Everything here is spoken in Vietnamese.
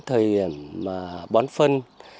thời điểm bón phân